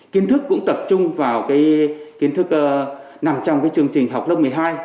kiến thức cũng tập trung vào cái kiến thức nằm trong cái chương trình học lớp một mươi hai